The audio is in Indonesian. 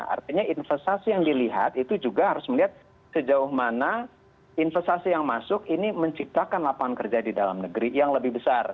artinya investasi yang dilihat itu juga harus melihat sejauh mana investasi yang masuk ini menciptakan lapangan kerja di dalam negeri yang lebih besar